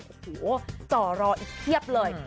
หัวจ่อร้ออีกเทียบเลย